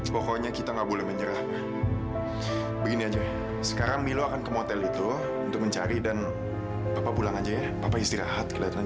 pokoknya segala perkembangan akan milo kabarin via telepon